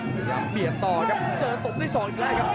พยายามเปลี่ยนต่อครับเจอตกได้๒อีกแล้วครับ